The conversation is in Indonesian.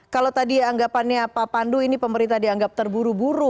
kalau tadi anggapannya pak pandu ini pemerintah dianggap terburu buru